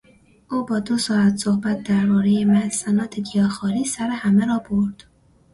او با دو ساعت صحبت دربارهی محسنات گیاهخواری سر همه را برد.